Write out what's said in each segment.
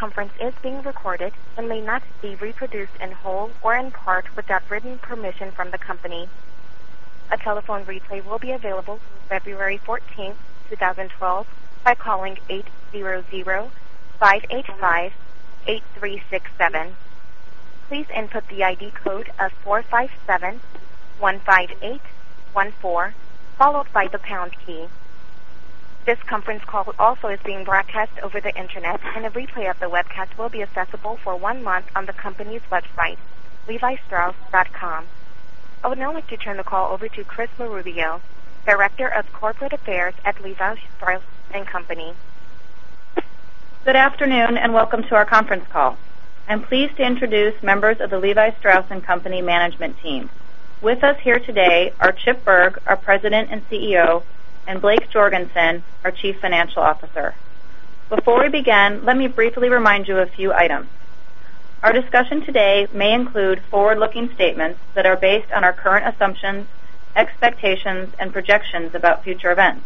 This conference is being recorded and may not be reproduced in whole or in part without written permission from the company. A telephone replay will be available February 14, 2012, by calling 800-585-8367. Please input the ID code of 45715814 followed by the pound key. This conference call also is being broadcast over the internet, and a replay of the webcast will be accessible for one month on the company's website, levistrauss.com. I would now like to turn the call over to Kris Marubio Director of Corporate Affairs at Levi Strauss & Co. Good afternoon and welcome to our conference call. I'm pleased to introduce members of the Levi Strauss & Co. management team. With us here today are Chip Bergh, our President and CEO, and Blake Jorgensen, our Chief Financial Officer. Before we begin, let me briefly remind you of a few items. Our discussion today may include forward-looking statements that are based on our current assumptions, expectations, and projections about future events.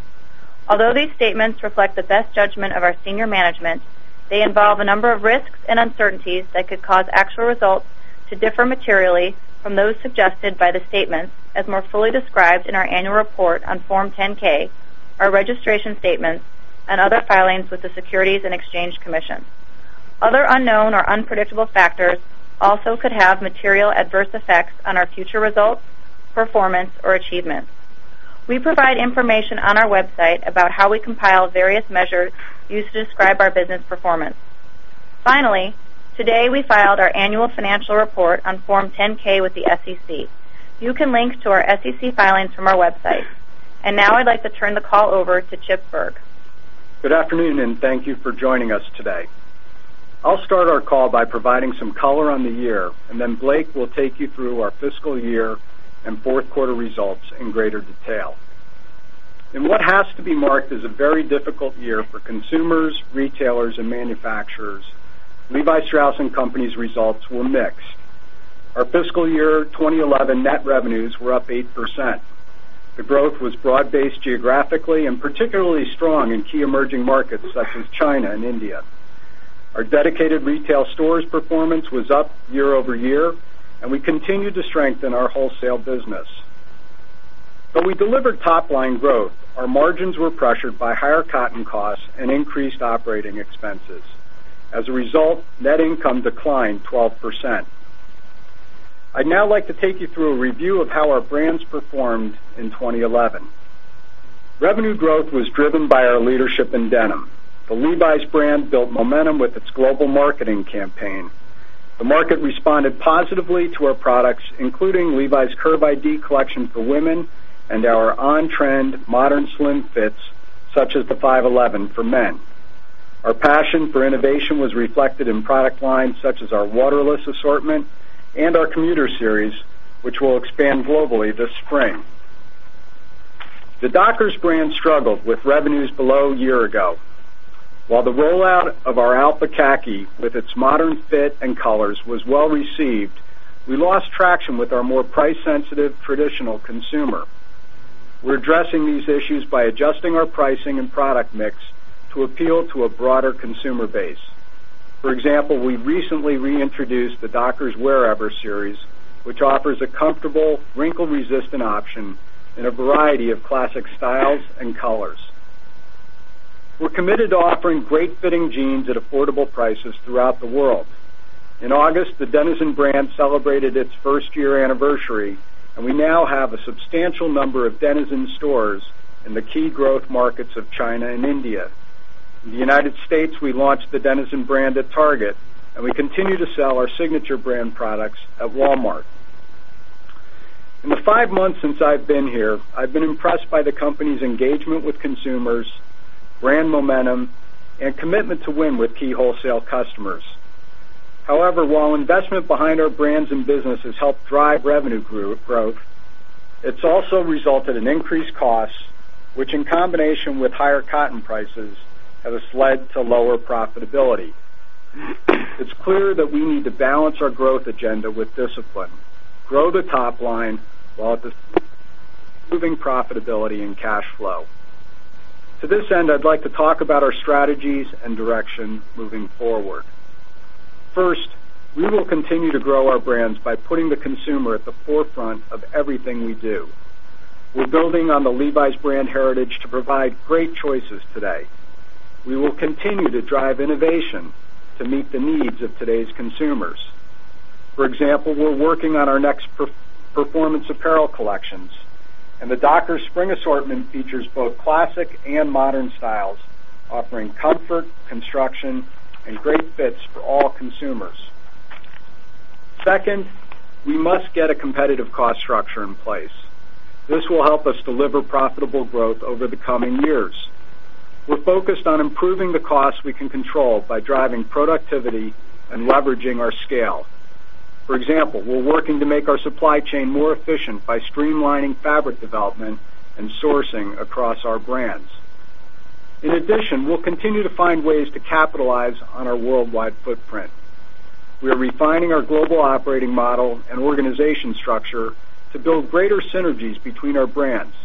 Although these statements reflect the best judgment of our senior management, they involve a number of risks and uncertainties that could cause actual results to differ materially from those suggested by the statements as more fully described in our annual report on Form 10-K, our registration statements, and other filings with the Securities and Exchange Commission. Other unknown or unpredictable factors also could have material adverse effects on our future results, performance, or achievements. We provide information on our website about how we compile various measures used to describe our business performance. Finally, today we filed our annual financial report on Form 10-K with the SEC. You can link to our SEC filings from our website. Now I'd like to turn the call over to Chip Bergh. Good afternoon and thank you for joining us today. I'll start our call by providing some color on the year, and then Blake will take you through our fiscal year and fourth quarter results in greater detail. In what has to be marked as a very difficult year for consumers, retailers, and manufacturers, Levi Strauss & Co.'s results were mixed. Our fiscal year 2011 net revenues were up 8%. The growth was broad-based geographically and particularly strong in key emerging markets such as China and India. Our dedicated retail stores' performance was up year-over-year, and we continued to strengthen our wholesale business. We delivered top-line growth. Our margins were pressured by higher cotton costs and increased operating expenses. As a result, net income declined 12%. I'd now like to take you through a review of how our brands performed in 2011. Revenue growth was driven by our leadership in denim. The Levi's brand built momentum with its global marketing campaign. The market responded positively to our products, including Levi's Curve ID collection for women and our on-trend modern slim fits, such as the 511 slim fit for men. Our passion for innovation was reflected in product lines such as our waterless assortment and our Commuter Series, which will expand globally this spring. The Dockers brand struggled with revenues below a year ago. While the rollout of our Alpha khaki with its modern fit and colors was well received, we lost traction with our more price-sensitive traditional consumer. We are addressing these issues by adjusting our pricing and product mix to appeal to a broader consumer base. For example, we recently reintroduced the Dockers Wear Ever series, which offers a comfortable, wrinkle-resistant option in a variety of classic styles and colors. We are committed to offering great fitting jeans at affordable prices throughout the world. In August, the Denizen brand celebrated its first-year anniversary, and we now have a substantial number of Denizen stores in the key growth markets of China and India. In the United States, we launched the Denizen brand at Target, and we continue to sell our Signature brand products at Walmart. In the five months since I've been here, I've been impressed by the company's engagement with consumers, brand momentum, and commitment to win with key wholesale customers. However, while investment behind our brands and businesses helped drive revenue growth, it's also resulted in increased costs, which in combination with higher cotton prices have led to lower profitability. It's clear that we need to balance our growth agenda with discipline, grow the top line while improving profitability and cash flow. To this end, I'd like to talk about our strategies and direction moving forward. First, we will continue to grow our brands by putting the consumer at the forefront of everything we do. We're building on the Levi's brand heritage to provide great choices today. We will continue to drive innovation to meet the needs of today's consumers. For example, we're working on our next performance apparel collections, and the Dockers spring assortment features both classic and modern styles, offering comfort, construction, and great fits for all consumers. Second, we must get a competitive cost structure in place. This will help us deliver profitable growth over the coming years. We're focused on improving the costs we can control by driving productivity and leveraging our scale. For example, we're working to make our supply chain more efficient by streamlining fabric development and sourcing across our brands. In addition, we'll continue to find ways to capitalize on our worldwide footprint. We are refining our global operating model and organization structure to build greater synergies between our brands,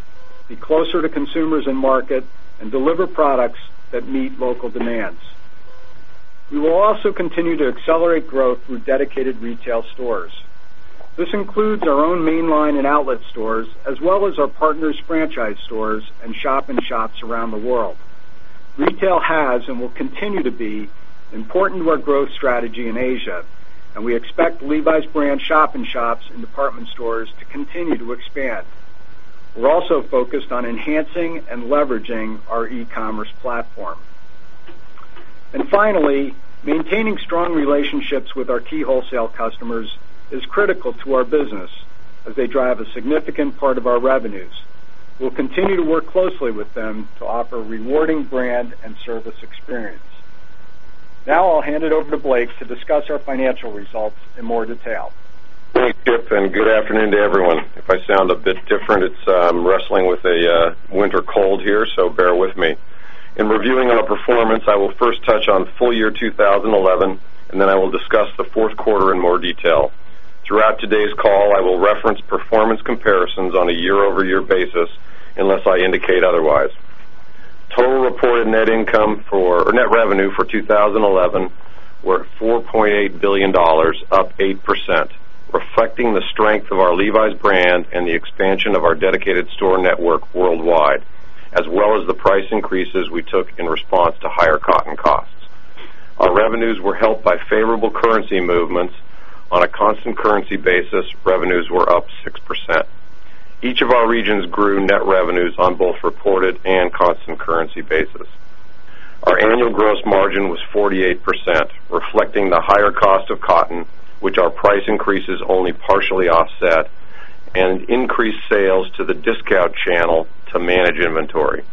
be closer to consumers and market, and deliver products that meet local demands. We will also continue to accelerate growth through dedicated retail stores. This includes our own mainline and outlet stores, as well as our partners' franchise stores and shop-in-shops around the world. Retail has and will continue to be important to our growth strategy in Asia, and we expect Levi's brand shop-in-shops and department stores to continue to expand. We're also focused on enhancing and leveraging our e-commerce platform. Finally, maintaining strong relationships with our key wholesale customers is critical to our business, as they drive a significant part of our revenues. We'll continue to work closely with them to offer a rewarding brand and service experience. Now I'll hand it over to Blake to discuss our financial results in more detail. Thanks, Chip, and good afternoon to everyone. If I sound a bit different, it's wrestling with a winter cold here, so bear with me. In reviewing our performance, I will first touch on full-year 2011, and then I will discuss the fourth quarter in more detail. Throughout today's call, I will reference performance comparisons on a year-over-year basis unless I indicate otherwise. Total reported net income or net revenue for 2011 were $4.8 billion, up 8%, reflecting the strength of our Levi's brand and the expansion of our dedicated store network worldwide, as well as the price increases we took in response to higher cotton costs. Our revenues were helped by favorable currency movements. On a constant currency basis, revenues were up 6%. Each of our regions grew net revenues on both reported and constant currency basis. Our annual gross margin was 48%, reflecting the higher cost of cotton, which our price increases only partially offset, and increased sales to the discount channel to manage inventory.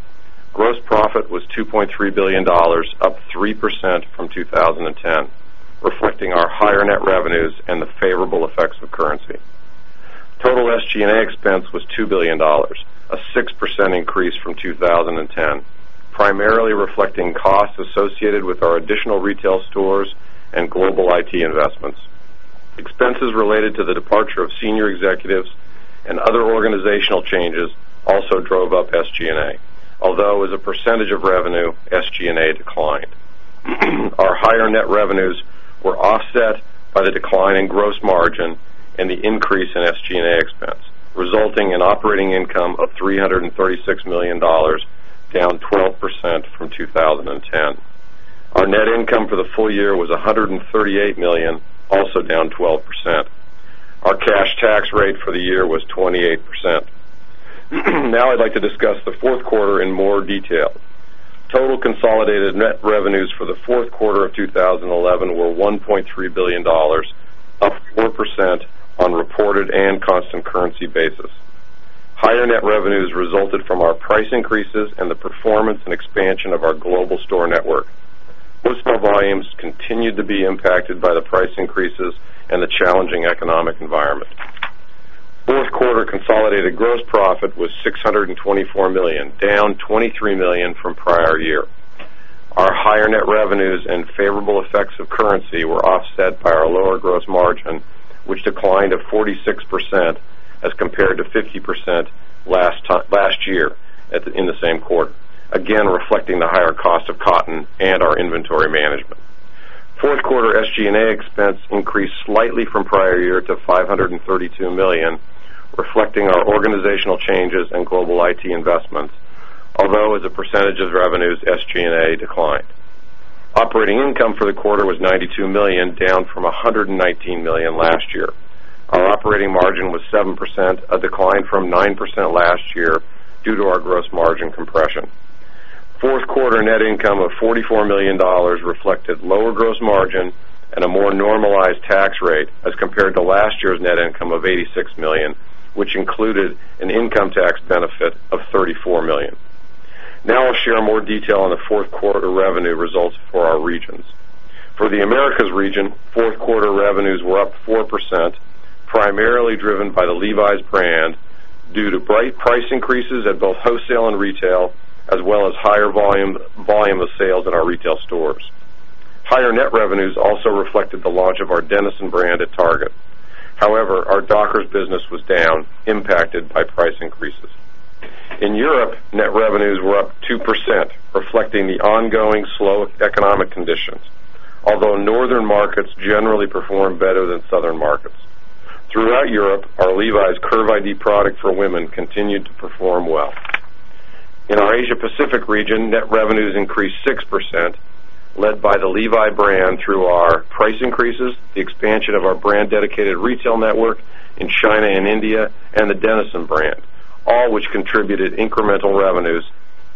Gross profit was $2.3 billion, up 3% from 2010, reflecting our higher net revenues and the favorable effects of currency. Total SG&A expense was $2 billion, a 6% increase from 2010, primarily reflecting costs associated with our additional retail stores and global IT investments. Expenses related to the departure of senior executives and other organizational changes also drove up SG&A, although as a percentage of revenue, SG&A declined. Our higher net revenues were offset by the decline in gross margin and the increase in SG&A expense, resulting in operating income of $336 million, down 12% from 2010. Our net income for the full year was $138 million, also down 12%. Our cash tax rate for the year was 28%. Now I'd like to discuss the fourth quarter in more detail. Total consolidated net revenues for the fourth quarter of 2011 were $1.3 billion, up 4% on a reported and constant currency basis. Higher net revenues resulted from our price increases and the performance and expansion of our global store network. Personal volumes continued to be impacted by the price increases and the challenging economic environment. Fourth quarter consolidated gross profit was $624 million, down $23 million from prior year. Our higher net revenues and favorable effects of currency were offset by our lower gross margin, which declined at 46% as compared to 50% last year in the same quarter, again reflecting the higher cost of cotton and our inventory management. Fourth quarter SG&A expense increased slightly from prior year to $532 million, reflecting our organizational changes and global IT investments, although as a percentage of revenues, SG&A declined. Operating income for the quarter was $92 million, down from $119 million last year. Our operating margin was 7%, a decline from 9% last year due to our gross margin compression. Fourth quarter net income of $44 million reflected lower gross margin and a more normalized tax rate as compared to last year's net income of $86 million, which included an income tax benefit of $34 million. Now I'll share more detail on the fourth quarter revenue results for our regions. For the Americas region, fourth quarter revenues were up 4%, primarily driven by the Levi's brand due to price increases at both wholesale and retail, as well as higher volume of sales in our retail stores. Higher net revenues also reflected the launch of our Denizen brand at Target. However, our Dockers business was down, impacted by price increases. In Europe, net revenues were up 2%, reflecting the ongoing slow economic conditions, although northern markets generally perform better than southern markets. Throughout Europe, our Levi’s Curve ID product for women continued to perform well. In our Asia-Pacific region, net revenues increased 6%, led by the Levi's brand through our price increases, the expansion of our brand-dedicated retail network in China and India, and the Denizen brand, all which contributed incremental revenues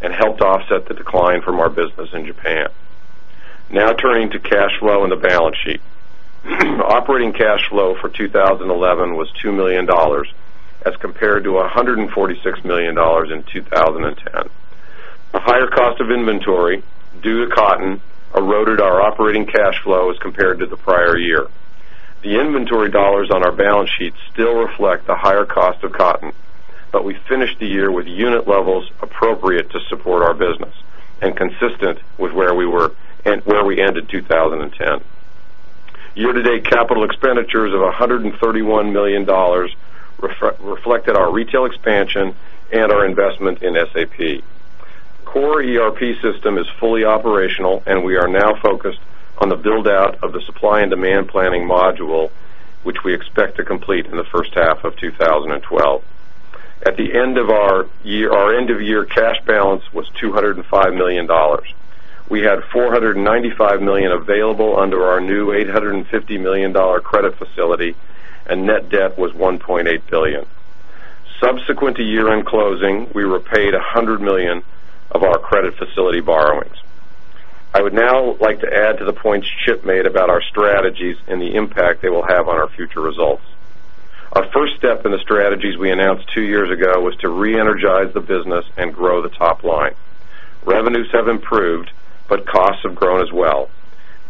and helped offset the decline from our business in Japan. Now turning to cash flow and the balance sheet. The operating cash flow for 2011 was $2 million as compared to $146 million in 2010. A higher cost of inventory due to cotton eroded our operating cash flow as compared to the prior year. The inventory dollars on our balance sheet still reflect the higher cost of cotton, but we finished the year with unit levels appropriate to support our business and consistent with where we were and where we ended 2010. Year-to-date capital expenditures of $131 million reflected our retail expansion and our investment in SAP. Core ERP system is fully operational, and we are now focused on the build-out of the supply and demand planning module, which we expect to complete in the first half of 2012. At the end of our year, our end-of-year cash balance was $205 million. We had $495 million available under our new $850 million credit facility, and net debt was $1.8 billion. Subsequent to year-end closing, we repaid $100 million of our credit facility borrowings. I would now like to add to the points Chip made about our strategies and the impact they will have on our future results. Our first step in the strategies we announced two years ago was to re-energize the business and grow the top line. Revenues have improved, but costs have grown as well.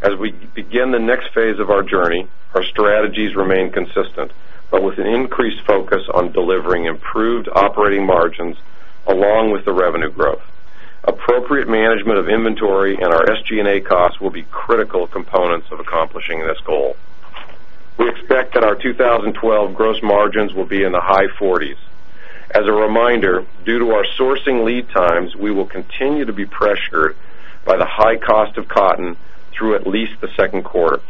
As we begin the next phase of our journey, our strategies remain consistent, but with an increased focus on delivering improved operating margins along with the revenue growth. Appropriate management of inventory and our SG&A costs will be critical components of accomplishing this goal. We expect that our 2012 gross margins will be in the high 40%. As a reminder, due to our sourcing lead times, we will continue to be pressured by the high cost of cotton through at least the second quarter.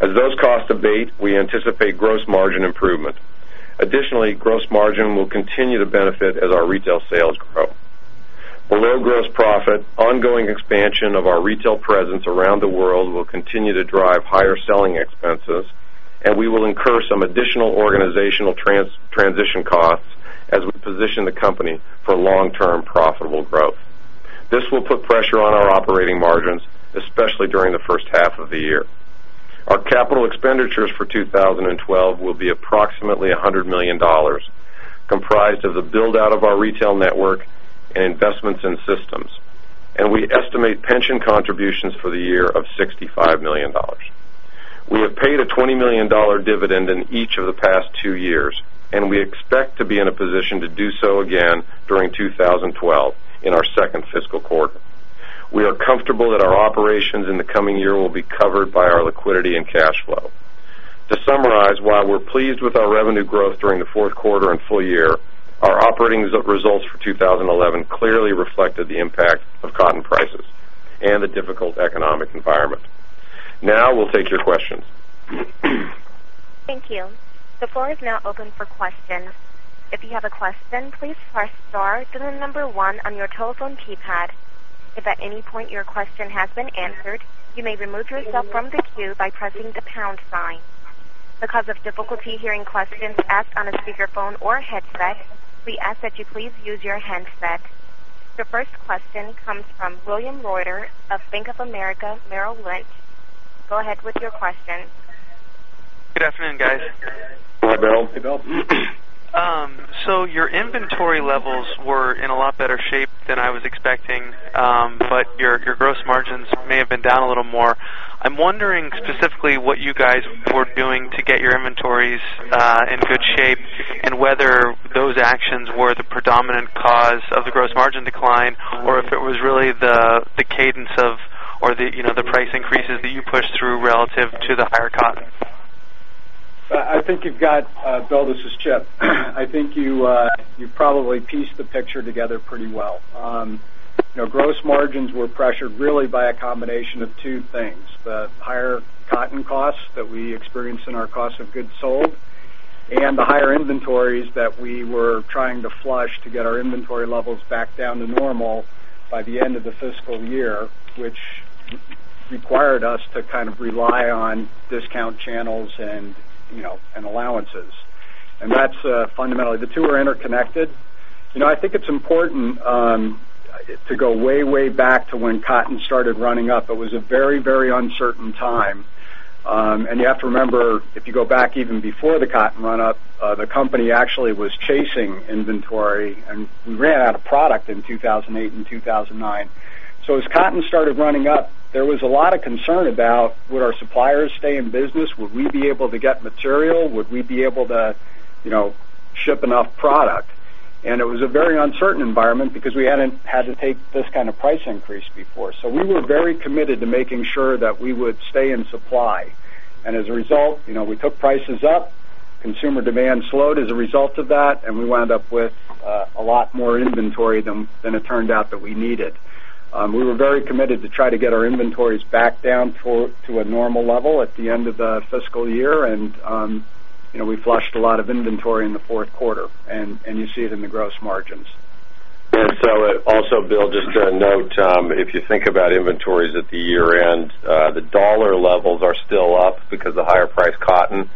As those costs abate, we anticipate gross margin improvement. Additionally, gross margin will continue to benefit as our retail sales grow. Below gross profit, ongoing expansion of our retail presence around the world will continue to drive higher selling expenses, and we will incur some additional organizational transition costs as we position the company for long-term profitable growth. This will put pressure on our operating margins, especially during the first half of the year. Our capital expenditures for 2012 will be approximately $100 million, comprised of the build-out of our retail network and investments in systems, and we estimate pension contributions for the year of $65 million. We have paid a $20 million dividend in each of the past two years, and we expect to be in a position to do so again during 2012 in our second fiscal quarter. We are comfortable that our operations in the coming year will be covered by our liquidity and cash flow. To summarize, while we're pleased with our revenue growth during the fourth quarter and full year, our operating results for 2011 clearly reflected the impact of cotton prices and the difficult economic environment. Now we'll take your questions. Thank you. The floor is now open for questions. If you have a question, please press star then the number one on your telephone keypad. If at any point your question has been answered, you may remove yourself from the queue by pressing the pound sign. Because of difficulty hearing questions asked on a speakerphone or headset, we ask that you please use your handset. The first question comes from William Reuter of Bank of America Merrill Lynch. Go ahead with your question. Good afternoon, guys. Hello, Merrill. Your inventory levels were in a lot better shape than I was expecting, but your gross margins may have been down a little more. I'm wondering specifically what you guys were doing to get your inventories in good shape and whether those actions were the predominant cause of the gross margin decline, or if it was really the cadence of or the price increases that you pushed through relative to the higher cotton. I think you've got to build this as Chip. I think you probably pieced the picture together pretty well. Gross margins were pressured really by a combination of two things: the higher cotton costs that we experienced in our cost of goods sold, and the higher inventories that we were trying to flush to get our inventory levels back down to normal by the end of the fiscal year, which required us to kind of rely on discount channels and allowances. That's fundamentally the two are interconnected. I think it's important to go way, way back to when cotton started running up. It was a very, very uncertain time. You have to remember, if you go back even before the cotton run-up, the company actually was chasing inventory, and we ran out of product in 2008 and 2009. As cotton started running up, there was a lot of concern about, would our suppliers stay in business? Would we be able to get material? Would we be able to ship enough product? It was a very uncertain environment because we hadn't had to take this kind of price increase before. We were very committed to making sure that we would stay in supply. As a result, we took prices up, consumer demand slowed as a result of that, and we wound up with a lot more inventory than it turned out that we needed. We were very committed to try to get our inventories back down to a normal level at the end of the fiscal year, and we flushed a lot of inventory in the fourth quarter, and you see it in the gross margins. Also, Bill, just a note, if you think about inventories at the year-end, the dollar levels are still up because of the higher priced cotton,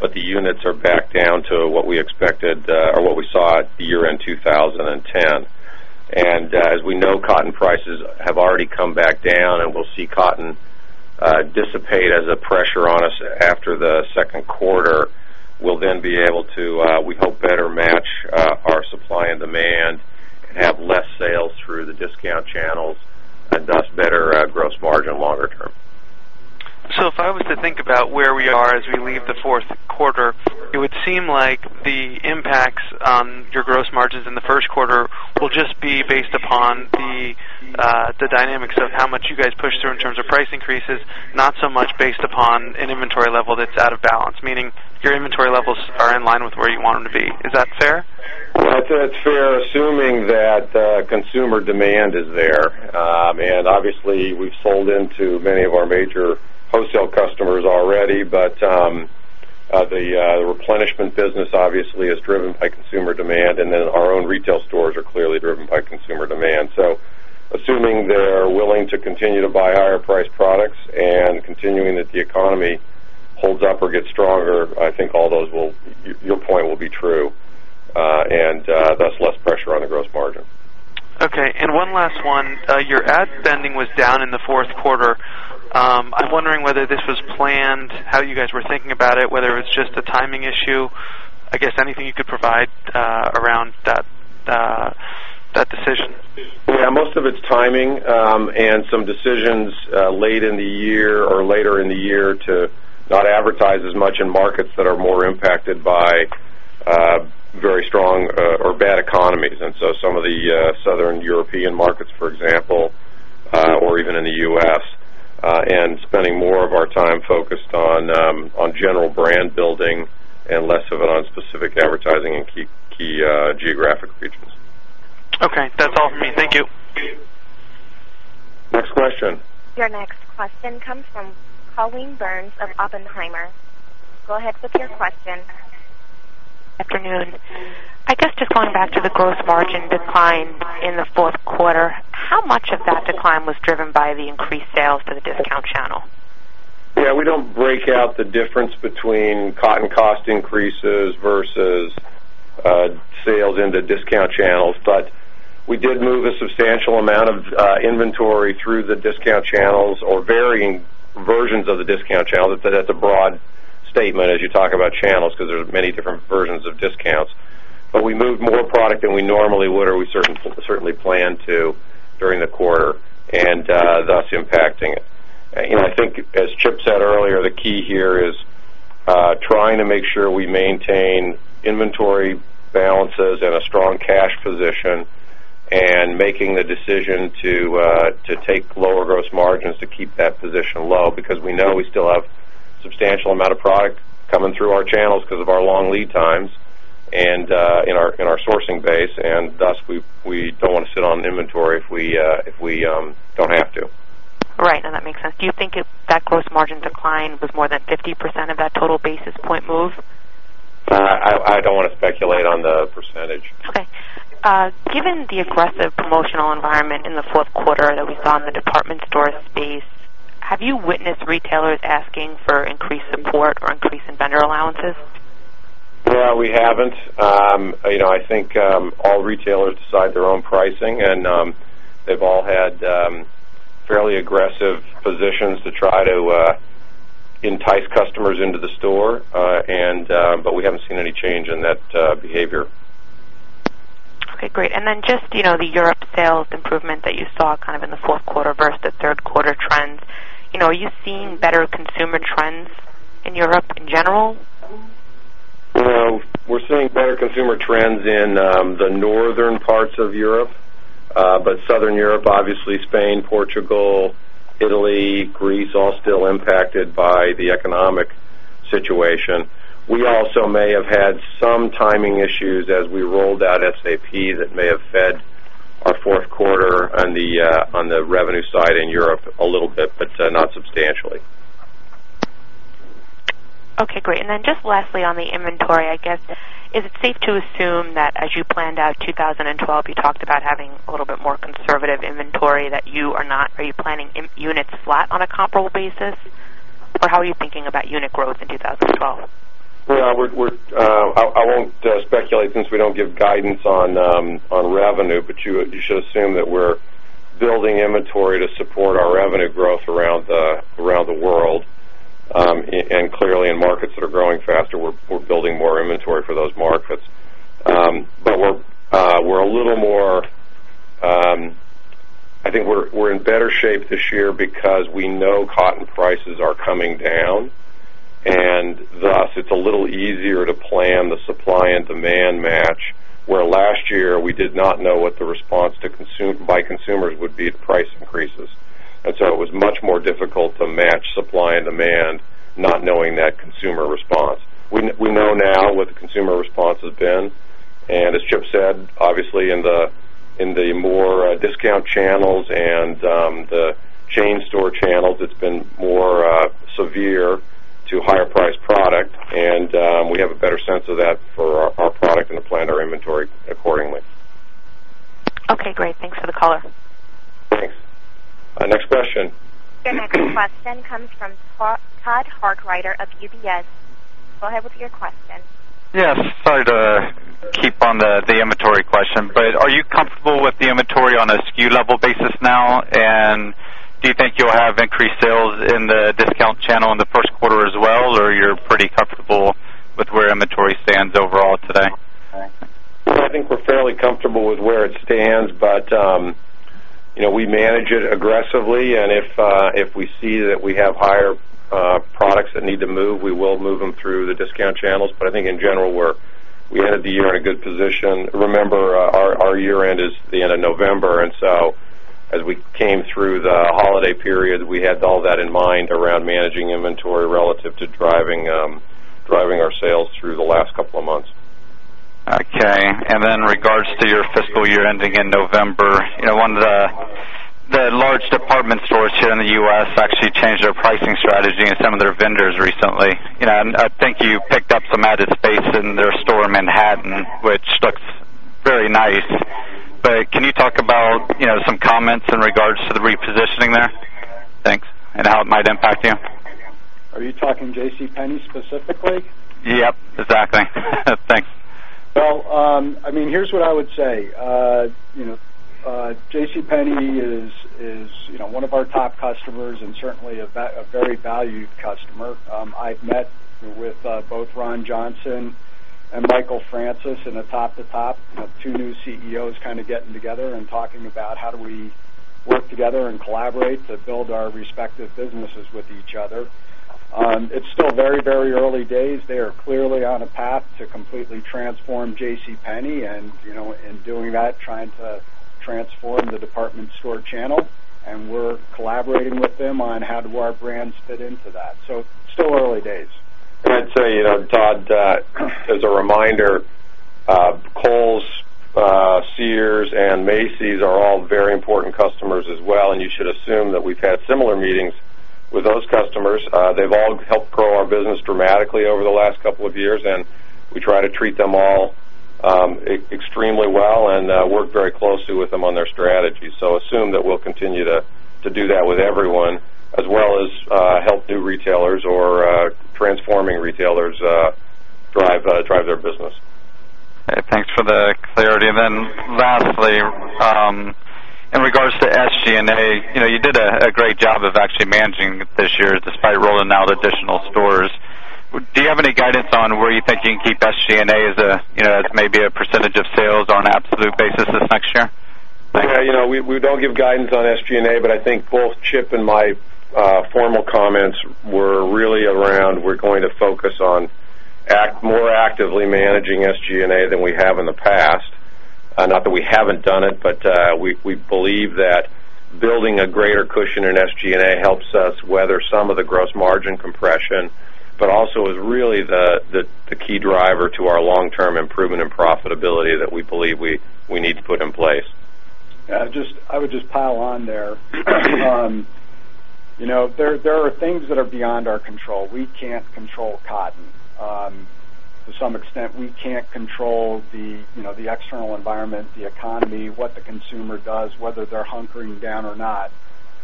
but the units are back down to what we expected or what we saw at the year-end 2010. As we know, cotton prices have already come back down, and we'll see cotton dissipate as a pressure on us after the second quarter. We'll then be able to, we hope, better match our supply and demand and have less sales through the discount channels, thus better gross margin longer term. If I was to think about where we are as we leave the fourth quarter, it would seem like the impacts on your gross margins in the first quarter will just be based upon the dynamics of how much you guys push through in terms of price increases, not so much based upon an inventory level that's out of balance, meaning your inventory levels are in line with where you want them to be. Is that fair? I would say that's fair, assuming that consumer demand is there. Obviously, we've sold into many of our major wholesale customers already, but the replenishment business is driven by consumer demand, and our own retail stores are clearly driven by consumer demand. Assuming they're willing to continue to buy higher-priced products and continuing that the economy holds up or gets stronger, I think all those will, your point will be true, and thus less pressure on the gross margin. Okay. One last one. Your ad spending was down in the fourth quarter. I'm wondering whether this was planned, how you guys were thinking about it, whether it was just a timing issue. I guess anything you could provide around that decision. Yeah, most of it's timing and some decisions late in the year or later in the year to not advertise as much in markets that are more impacted by very strong or bad economies. Some of the Southern European markets, for example, or even in the U.S., and spending more of our time focused on general brand building and less of it on specific advertising and key geographic features. Okay, that's all for me. Thank you. Next question. Your next question comes from Colleen Burns of Oppenheimer. Go ahead with your question. Good afternoon. I guess just going back to the gross margin decline in the fourth quarter, how much of that decline was driven by the increased sales to the discount channel? Yeah, we don't break out the difference between cotton cost increases versus sales into discount channels, but we did move a substantial amount of inventory through the discount channels or varying versions of the discount channel. That's a broad statement as you talk about channels because there are many different versions of discounts. We moved more product than we normally would or we certainly planned to during the quarter, thus impacting it. I think as Chip said earlier, the key here is trying to make sure we maintain inventory balances and a strong cash position and making the decision to take lower gross margins to keep that position low because we know we still have a substantial amount of product coming through our channels because of our long lead times and in our sourcing base, and thus we don't want to sit on inventory if we don't have to. Right. No, that makes sense. Do you think that gross margin decline was more than 50% of that total basis point move? I don't want to speculate on the percentage. Okay. Given the aggressive emotional environment in the fourth quarter that we saw in the department store space, have you witnessed retailers asking for increased support or increase in vendor allowances? We haven't. I think all retailers decide their own pricing, and they've all had fairly aggressive positions to try to entice customers into the store, but we haven't seen any change in that behavior. Okay. Great. The Europe sales improvement that you saw in the fourth quarter versus the third quarter trends, are you seeing better consumer trends in Europe in general? We're seeing better consumer trends in the northern parts of Europe, but Southern Europe, obviously, Spain, Portugal, Italy, Greece, all still impacted by the economic situation. We also may have had some timing issues as we rolled out SAP that may have fed our fourth quarter on the revenue side in Europe a little bit, but not substantially. Okay. Great. Lastly, on the inventory, is it safe to assume that as you planned out 2012, you talked about having a little bit more conservative inventory, that you are not, are you planning units flat on a comparable basis? How are you thinking about unit growth in 2012? Yeah, I won't speculate since we don't give guidance on revenue, but you should assume that we're building inventory to support our revenue growth around the world. Clearly, in markets that are growing faster, we're building more inventory for those markets. I think we're in better shape this year because we know cotton prices are coming down, and thus it's a little easier to plan the supply and demand match. Last year we did not know what the response by consumers would be at price increases, so it was much more difficult to match supply and demand not knowing that consumer response. We know now what the consumer response has been. As Chip said, obviously, in the more discount channels and the chain store channels, it's been more severe to higher-priced product, and we have a better sense of that for our product and to plan our inventory accordingly. Okay. Great. Thanks for the call. Thanks. Next question. Your next question comes from [Todd Hargreider] of UBS. Go ahead with your question. Yes. Sorry to keep on the inventory question, but are you comfortable with the inventory on a SKU level basis now? Do you think you'll have increased sales in the discount channel in the first quarter as well, or you're pretty comfortable with where inventory stands overall today? No, I think we're fairly comfortable with where it stands, but we manage it aggressively. If we see that we have higher products that need to move, we will move them through the discount channels. I think in general, we ended the year in a good position. Remember, our year-end is the end of November. As we came through the holiday period, we had all that in mind around managing inventory relative to driving our sales through the last couple of months. Okay. In regards to your fiscal year ending in November, one of the large department stores here in the U.S. actually changed their pricing strategy and some of their vendors recently. I think you picked up some added space in their store in Manhattan, which looks really nice. Can you talk about some comments in regards to the repositioning there? Thanks. How it might impact you. Are you talking JCPenney specifically? Yep, exactly. Thanks. Here's what I would say. JCPenney is one of our top customers and certainly a very valued customer. I've met with both Ron Johnson and Michael Francis in a top-to-top, two new CEOs kind of getting together and talking about how do we work together and collaborate to build our respective businesses with each other. It's still very, very early days. They are clearly on a path to completely transform JCPenney and, in doing that, trying to transform the department store channel. We're collaborating with them on how do our brands fit into that. Still early days. I'd say, you know, Todd, as a reminder, Kohl’s, Sears, and Macy’s are all very important customers as well. You should assume that we've had similar meetings with those customers. They've all helped grow our business dramatically over the last couple of years, and we try to treat them all extremely well and work very closely with them on their strategies. Assume that we'll continue to do that with everyone, as well as help new retailers or transforming retailers drive their business. Thanks for the clarity. Lastly, in regards to SG&A, you did a great job of actually managing this year despite rolling out additional stores. Do you have any guidance on where you think you can keep SG&A as a percentage of sales on an absolute basis this next year? Yeah, you know, we don't give guidance on SG&A, but I think both Chip and my formal comments were really around we're going to focus on more actively managing SG&A than we have in the past. Not that we haven't done it, but we believe that building a greater cushion in SG&A helps us weather some of the gross margin compression, but also is really the key driver to our long-term improvement in profitability that we believe we need to put in place. Yeah, I would just pile on there. There are things that are beyond our control. We can't control cotton. To some extent, we can't control the external environment, the economy, what the consumer does, whether they're hunkering down or not.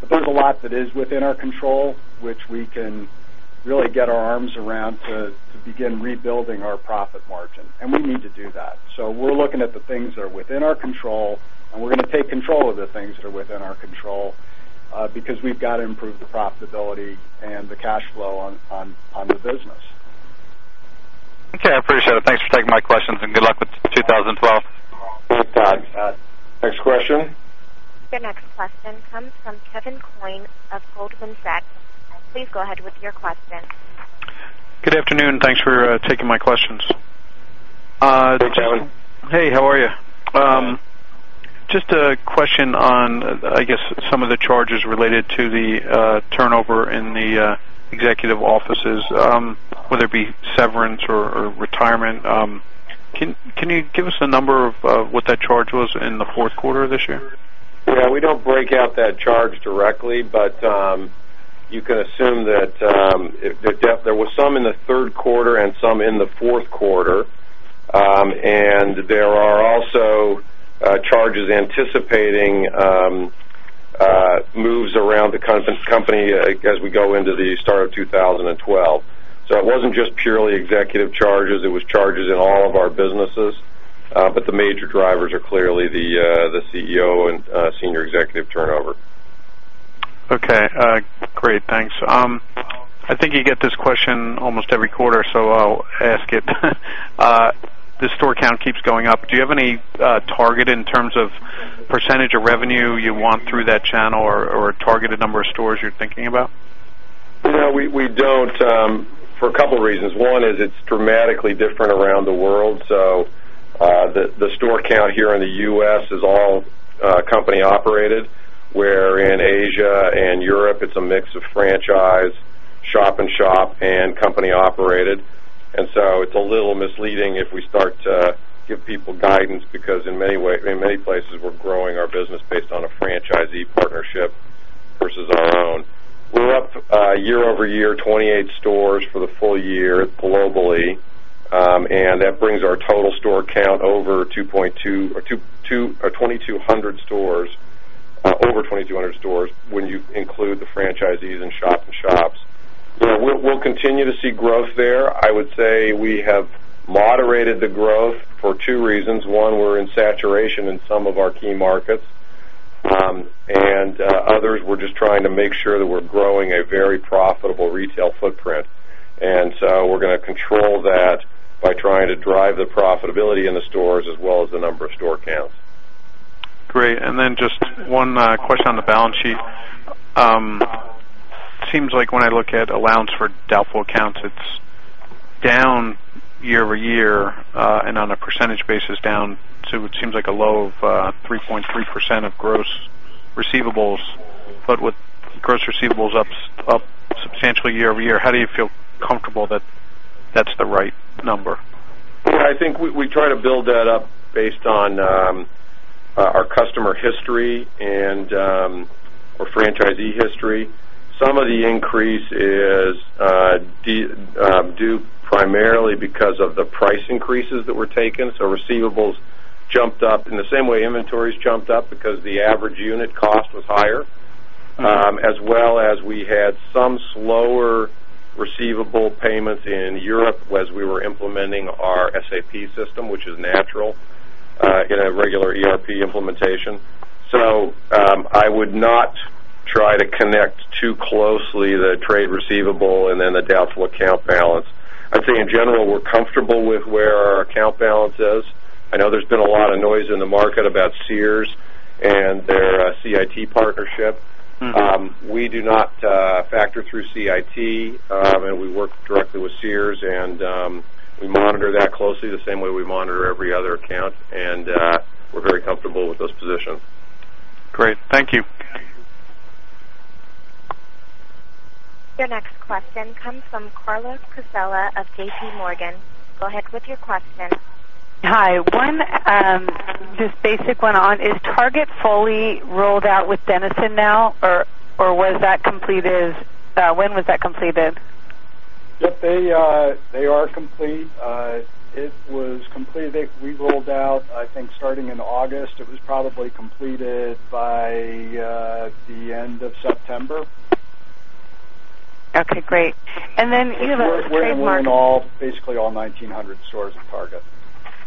There is a lot that is within our control, which we can really get our arms around to begin rebuilding our profit margin. We need to do that. We're looking at the things that are within our control, and we're going to take control of the things that are within our control because we've got to improve the profitability and the cash flow on the business. Okay. I appreciate it. Thanks for taking my questions, and good luck with 2012. Thanks, Todd. Next question. Your next question comes from Kevin Coyne of Sullivan & Fells. Please go ahead with your question. Good afternoon. Thanks for taking my questions. Hi, Kevin. Hey, how are you? Just a question on, I guess, some of the charges related to the turnover in the executive offices, whether it be severance or retirement. Can you give us a number of what that charge was in the fourth quarter of this year? Yeah, we don't break out that charge directly, but you can assume that there was some in the third quarter and some in the fourth quarter. There are also charges anticipating moves around the company as we go into the start of 2012. It wasn't just purely executive charges. It was charges in all of our businesses. The major drivers are clearly the CEO and senior executive turnover. Okay. Great. Thanks. I think you get this question almost every quarter, so I'll ask it. The store count keeps going up. Do you have any target in terms of percentage of revenue you want through that channel or a targeted number of stores you're thinking about? Yeah, we don't for a couple of reasons. One is it's dramatically different around the world. The store count here in the U.S. is all company-operated, where in Asia and Europe, it's a mix of franchise, shop-in-shop, and company-operated. It's a little misleading if we start to give people guidance because in many ways, in many places, we're growing our business based on a franchisee partnership versus our own. We're up year-over-year, 28 stores for the full year globally. That brings our total store count over 2,200 stores when you include the franchisees and shop-in-shops. We'll continue to see growth there. I would say we have moderated the growth for two reasons. One, we're in saturation in some of our key markets. In others, we're just trying to make sure that we're growing a very profitable retail footprint. We're going to control that by trying to drive the profitability in the stores as well as the number of store counts. Great. Just one question on the balance sheet. Seems like when I look at allowance for doubtful accounts, it's down year-over-year and on a percentage basis down to what seems like a low of 3.3% of gross receivables. With gross receivables up substantially year-over-year, how do you feel comfortable that that's the right number? Yeah, I think we try to build that up based on our customer history and our franchisee history. Some of the increase is due primarily because of the price increases that were taken. Receivables jumped up in the same way inventories jumped up because the average unit cost was higher, as well as we had some slower receivable payments in Europe as we were implementing our SAP system, which is natural in a regular ERP implementation. I would not try to connect too closely the trade receivable and then the downflow account balance. I'd say in general, we're comfortable with where our account balance is. I know there's been a lot of noise in the market about Sears and their CIT partnership. We do not factor through CIT, and we work directly with Sears, and we monitor that closely the same way we monitor every other account. We're very comfortable with this position. Great. Thank you. Your next question comes from Carla Casella of JPMorgan. Go ahead with your question. Hi. One just basic one on, is Target fully rolled out with Denizen now, or was that completed? When was that completed? Yes, they are complete. It was completed. We rolled out, I think, starting in August. It was probably completed by the end of September. Okay. Great. You have a trademark. We're rolling basically all 1,900 stores to Target.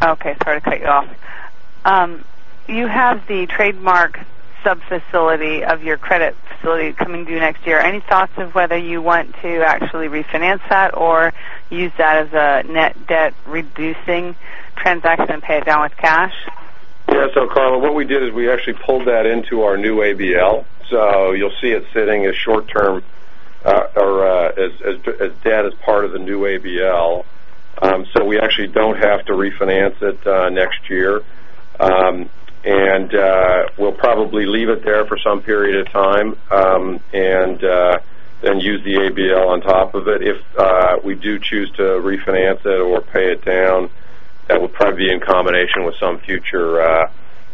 Okay. Sorry to cut you off. You have the trademark sub-facility of your credit facility coming due next year. Any thoughts of whether you want to actually refinance that or use that as a net debt-reducing transaction and pay it down with cash? Yeah, Carla, what we did is we actually pulled that into our new ABL. You'll see it sitting as short-term or as debt as part of the new ABL. We actually don't have to refinance it next year. We'll probably leave it there for some period of time and then use the ABL on top of it. If we do choose to refinance it or pay it down, that would probably be in combination with some future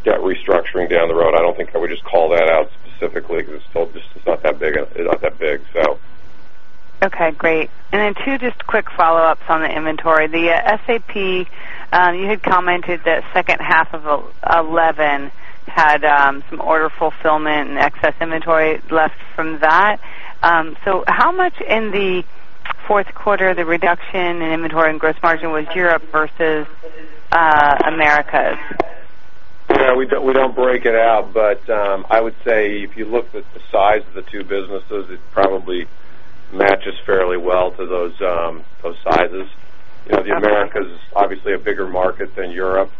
debt restructuring down the road. I don't think I would just call that out specifically because it's still just not that big. It's not that big. Okay. Great. Two just quick follow-ups on the inventory. The SAP, you had commented that second half of 2011 had some order fulfillment and excess inventory left from that. How much in the fourth quarter of the reduction in inventory and gross margin was Europe versus Americas? Yeah, we don't break it out, but I would say if you looked at the size of the two businesses, it probably matches fairly well to those sizes. You know, the Americas is obviously a bigger market than Europe.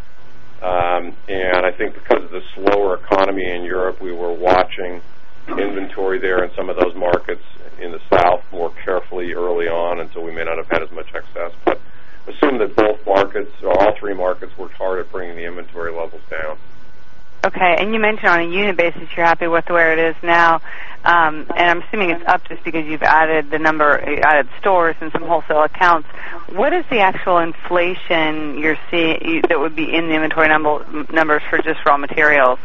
I think because of the slower economy in Europe, we were watching inventory there in some of those markets in the South more carefully early on, and we may not have had as much excess. I assume that both markets, all three markets, worked hard at bringing the inventory levels down. Okay. You mentioned on a unit basis, you're happy with where it is now. I'm assuming it's up just because you've added the number, added stores and some wholesale accounts. What is the actual inflation you're seeing that would be in the inventory numbers for just raw materials?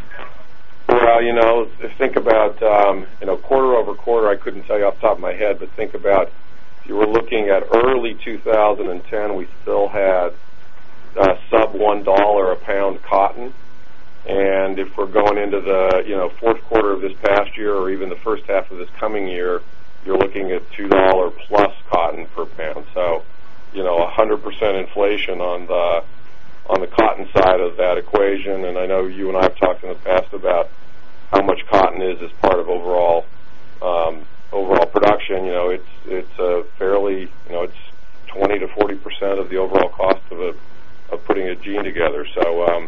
If you think about, you know, quarter-over-quarter, I couldn't tell you off the top of my head, but think about if you were looking at early 2010, we still had -$1.00 a pound cotton. If we're going into the fourth quarter of this past year or even the first half of this coming year, you're looking at $2.00+ cotton per pound. 100% inflation on the cotton side of that equation. I know you and I have talked in the past about how much cotton is as part of overall production. It's a fairly, you know, it's 20%-40% of the overall cost of putting a jean together. A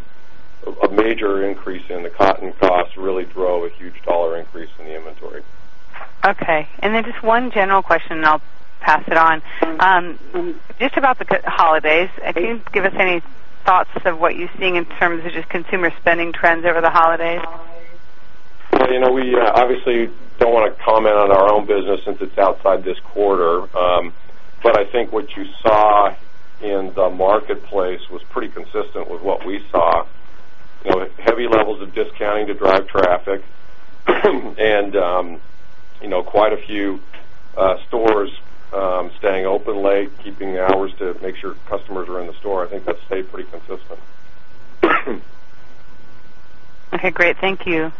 major increase in the cotton costs really throw a huge dollar increase in the inventory. Okay. Just one general question, and I'll pass it on. Just about the holidays, can you give us any thoughts of what you're seeing in terms of just consumer spending trends over the holidays? Yeah, you know, we obviously don't want to comment on our own business since it's outside this quarter. I think what you saw in the marketplace was pretty consistent with what we saw. You know, heavy levels of discounting to drive traffic, and quite a few stores staying open late, keeping hours to make sure customers are in the store. I think that stayed pretty consistent. Okay. Great. Thank you.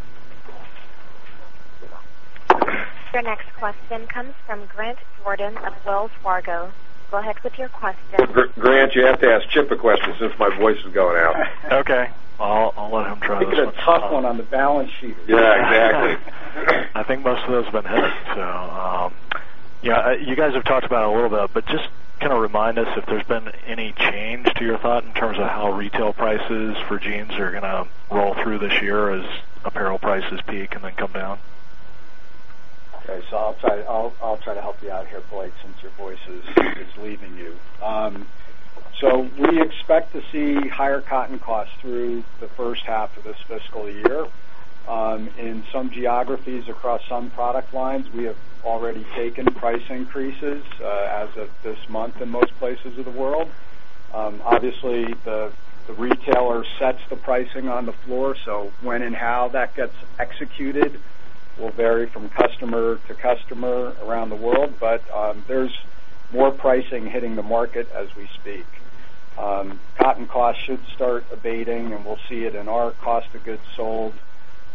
Your next question comes from Grant Borden of Wells Fargo. Go ahead with your question. Grant, you have to ask Chip a question since my voice is going out. Okay, I'll let him try this. It's a tough one on the balance sheet. Yeah, exactly. I think most of this has been his. You guys have talked about it a little bit, but just kind of remind us if there's been any change to your thought in terms of how retail prices for jeans are going to roll through this year as apparel prices peak and then come down. Okay. I'll try to help you out here, since your voice is leaving you. We expect to see higher cotton costs through the first half of this fiscal year. In some geographies across some product lines, we have already taken price increases, as of this month in most places of the world. Obviously, the retailer sets the pricing on the floor. When and how that gets executed will vary from customer to customer around the world. There's more pricing hitting the market as we speak. Cotton costs should start abating, and we'll see it in our cost of goods sold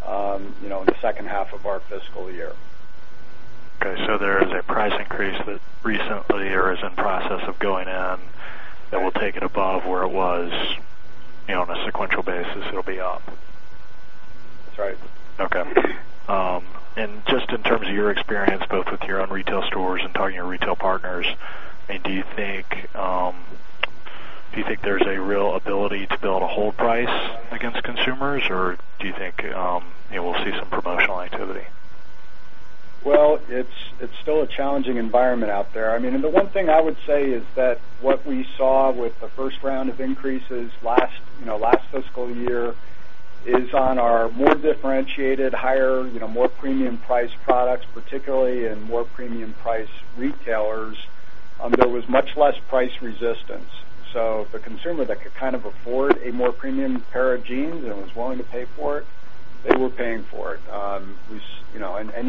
in the second half of our fiscal year. Okay, there is a price increase that recently or is in process of going in that will take it above where it was on a sequential basis. It'll be up. That's right. Okay, in terms of your experience, both with your own retail stores and talking to your retail partners, do you think there's a real ability to build and hold price against consumers, or do you think we'll see some promotional activity? It's still a challenging environment out there. The one thing I would say is that what we saw with the first round of increases last fiscal year is on our more differentiated, higher, more premium-priced products, particularly in more premium-priced retailers, there was much less price resistance. The consumer that could kind of afford a more premium pair of jeans and was willing to pay for it, they were paying for it.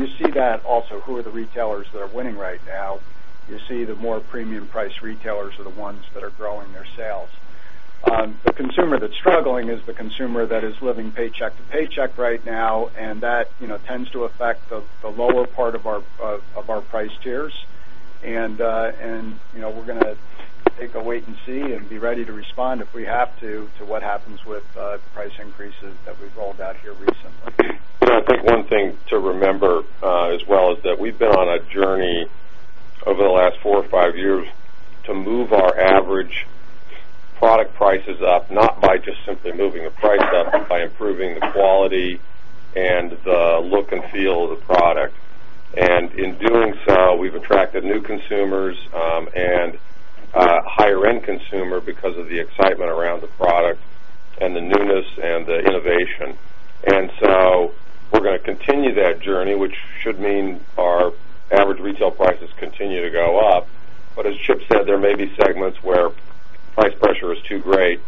You see that also with who are the retailers that are winning right now. You see the more premium-priced retailers are the ones that are growing their sales. The consumer that's struggling is the consumer that is living paycheck to paycheck right now, and that tends to affect the lower part of our price tiers. We're going to take a wait and see and be ready to respond if we have to to what happens with the price increases that we've rolled out here recently. I think one thing to remember as well is that we've been on a journey over the last four or five years to move our average product prices up, not by just simply moving the price up, by improving the quality and the look and feel of the product. In doing so, we've attracted new consumers and higher-end consumers because of the excitement around the product and the newness and the innovation. We're going to continue that journey, which should mean our average retail prices continue to go up. As Chip said, there may be segments where price pressure is too great,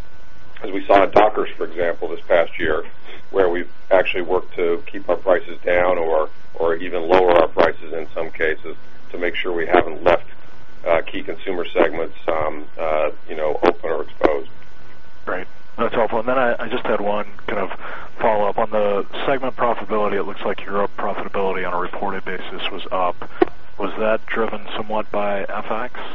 as we saw at Dockers, for example, this past year, where we've actually worked to keep our prices down or even lower our prices in some cases to make sure we haven't left key consumer segments on or exposed. Right. That's helpful. I just had one kind of follow-up on the segment profitability. It looks like Europe profitability on a reported basis was up. Was that driven somewhat by FX? Yes,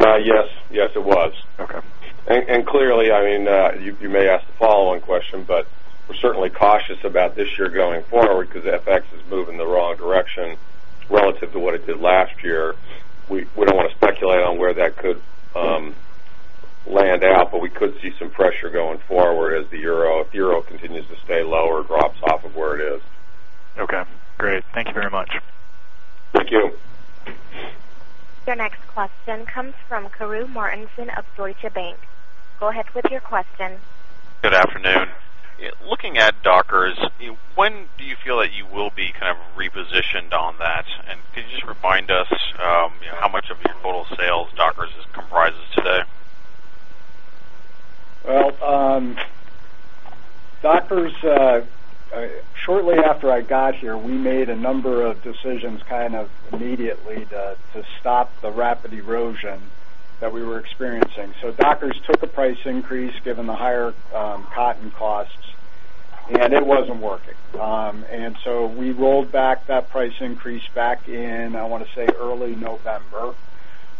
it was. Okay. Clearly, I mean, you may ask the follow-on question, but we're certainly cautious about this year going forward because FX is moving the wrong direction relative to what it did last year. We don't want to speculate on where that could land out, but we could see some pressure going forward if the euro continues to stay low or drops off of where it is. Okay. Great. Thank you very much. Thank you. Your next question comes from [Carruth Mortensen] of Deutsche Bank. Go ahead with your question. Good afternoon. Looking at Dockers, when do you feel that you will be kind of repositioned on that? Can you just remind us how much of your total sales Dockers comprises today? Dockers, shortly after I got here, we made a number of decisions kind of immediately to stop the rapid erosion that we were experiencing. Dockers took a price increase given the higher cotton costs, and it wasn't working. We rolled back that price increase back in, I want to say, early November.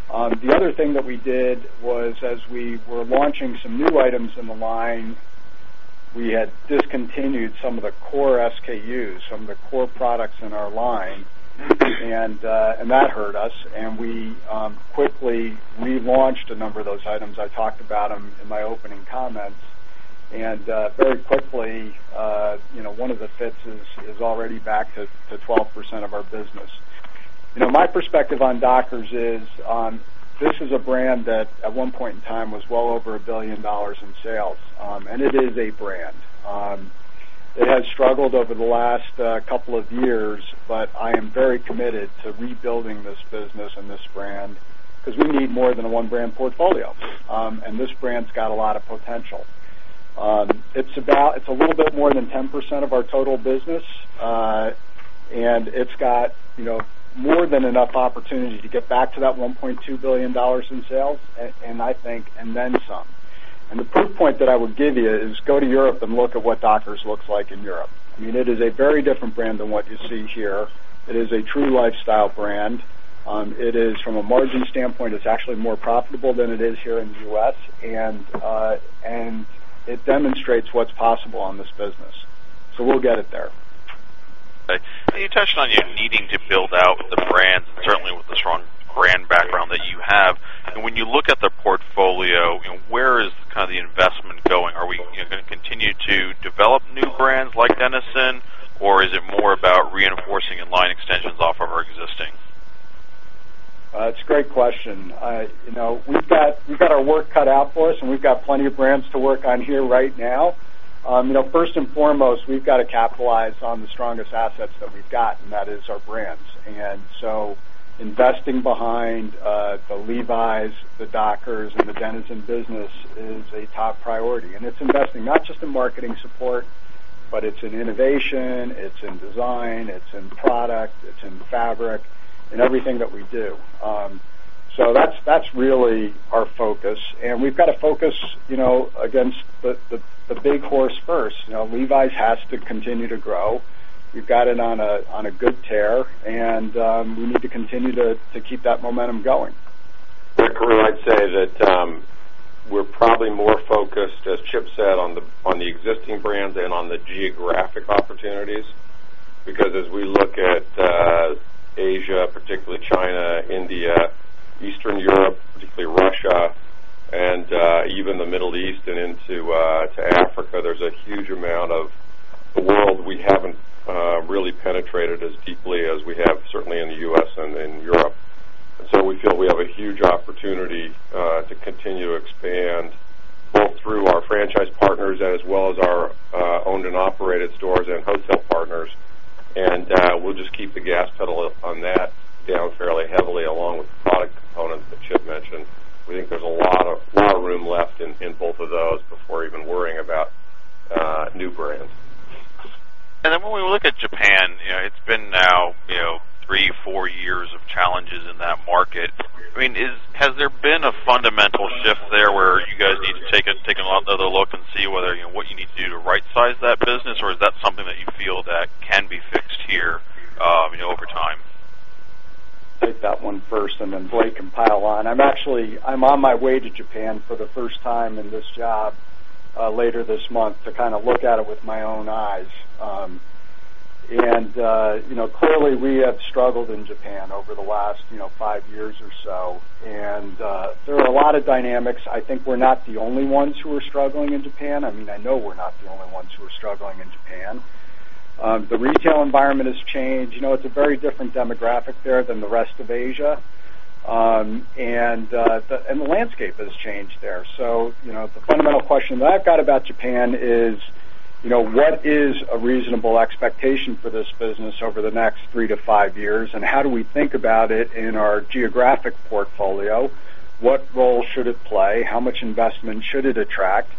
The other thing that we did was as we were launching some new items in the line, we had discontinued some of the core SKUs, some of the core products in our line, and that hurt us. We quickly launched a number of those items. I talked about them in my opening comments. Very quickly, you know, one of the fits is already back to 12% of our business. My perspective on Dockers is this is a brand that at one point in time was well over a billion dollars in sales, and it is a brand. It has struggled over the last couple of years, but I am very committed to rebuilding this business and this brand because we need more than a one-brand portfolio. This brand's got a lot of potential. It's about, it's a little bit more than 10% of our total business, and it's got, you know, more than enough opportunity to get back to that $1.2 billion in sales, and I think, and then some. The proof point that I would give you is go to Europe and look at what Dockers looks like in Europe. I mean, it is a very different brand than what you see here. It is a true lifestyle brand. From a margin standpoint, it's actually more profitable than it is here in the U.S., and it demonstrates what's possible on this business. We'll get it there. Right. You touched on your needing to build out the brands, certainly with the strong brand background that you have. When you look at the portfolio, where is kind of the investment going? Are we going to continue to develop new brands like Denizen, or is it more about reinforcing and line extensions off of our existing? It's a great question. You know, we've got our work cut out for us, and we've got plenty of brands to work on here right now. First and foremost, we've got to capitalize on the strongest assets that we've got, and that is our brands. Investing behind the Levi's, the Dockers, and the Denizen business is a top priority. It's investing not just in marketing support, but it's in innovation, it's in design, it's in product, it's in fabric, and everything that we do. That's really our focus. We've got to focus, you know, against the big horse first. You know, Levi's has to continue to grow. We've got it on a good tear, and we need to continue to keep that momentum going. [Carruth] I'd say that we're probably more focused, as Chip said, on the existing brands and on the geographic opportunities because as we look at Asia, particularly China, India, Eastern Europe, particularly Russia, and even the Middle East and into Africa, there's a huge amount of the world we haven't really penetrated as deeply as we have certainly in the U.S. and in Europe. We feel we have a huge opportunity to continue to expand both through our franchise partners as well as our owned and operated stores and wholesale partners. We'll just keep the gas pedal up on that down fairly heavily along with the product component that Chip mentioned. We think there's a lot of room left in both of those before even worrying about new brands. When we look at Japan, it's been now three, four years of challenges in that market. Has there been a fundamental shift there where you guys need to take another look and see whether you know what you need to do to right-size that business, or is that something that you feel that can be fixed here over time? Take that one first, and then Blake can pile on. I'm actually on my way to Japan for the first time in this job later this month to kind of look at it with my own eyes. Clearly, we have struggled in Japan over the last five years or so. There are a lot of dynamics. I think we're not the only ones who are struggling in Japan. I know we're not the only ones who are struggling in Japan. The retail environment has changed. It's a very different demographic there than the rest of Asia. The landscape has changed there. The fundamental question that I've got about Japan is, what is a reasonable expectation for this business over the next three to five years, and how do we think about it in our geographic portfolio? What role should it play? How much investment should it attract?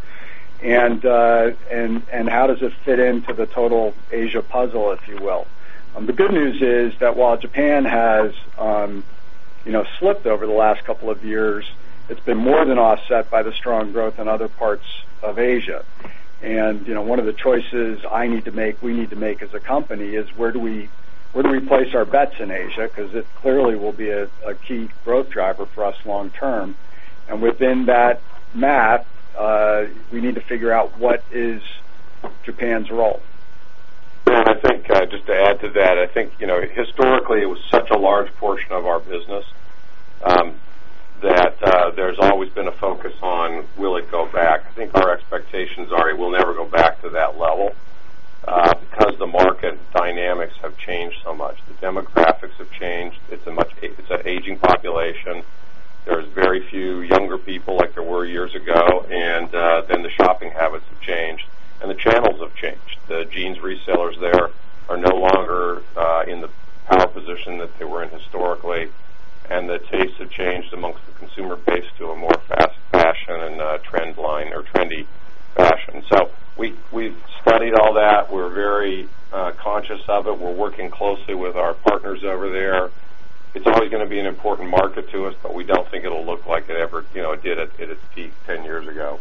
How does it fit into the total Asia puzzle, if you will? The good news is that while Japan has slipped over the last couple of years, it's been more than offset by the strong growth in other parts of Asia. One of the choices I need to make, we need to make as a company, is where do we place our bets in Asia because it clearly will be a key growth driver for us long-term. Within that map, we need to figure out what is Japan's role. I think just to add to that, historically, it was such a large portion of our business that there's always been a focus on will it go back? I think our expectations are it will never go back to that level because the market dynamics have changed so much. The demographics have changed. It's an aging population. There's very few younger people like there were years ago. The shopping habits have changed, and the channels have changed. The jeans resellers there are no longer in the power position that they were in historically. The tastes have changed amongst the consumer base to a more fast fashion and trend line or trendy fashion. We've studied all that. We're very conscious of it. We're working closely with our partners over there. It's always going to be an important market to us, but we don't think it'll look like it ever did at its peak 10 years ago.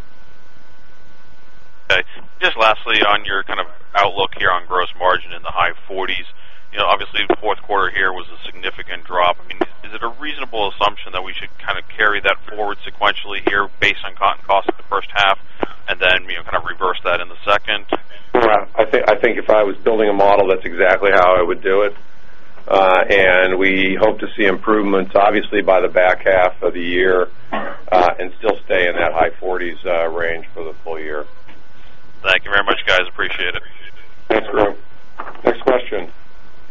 Okay. Just lastly, on your kind of outlook here on gross margin in the high 40s, you know, obviously, the fourth quarter here was a significant drop. Is it a reasonable assumption that we should kind of carry that forward sequentially here based on cotton costs in the first half and then, you know, kind of reverse that in the second? I think if I was building a model, that's exactly how I would do it. We hope to see improvements, obviously, by the back half of the year, and still stay in that high 40% range for the full year. Thank you very much, guys. Appreciate it. Thanks, man. Next question.